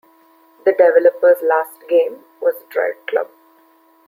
The developer's last game was "Driveclub".